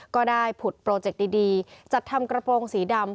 ก็ได้ผุดโปรเจคดีจัดทำกระโปรงสีดำ